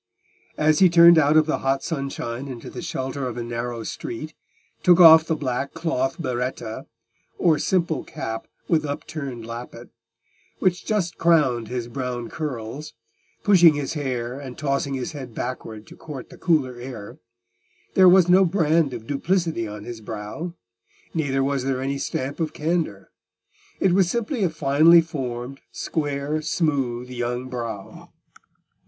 As he turned out of the hot sunshine into the shelter of a narrow street, took off the black cloth berretta, or simple cap with upturned lappet, which just crowned his brown curls, pushing his hair and tossing his head backward to court the cooler air, there was no brand of duplicity on his brow; neither was there any stamp of candour: it was simply a finely formed, square, smooth young brow.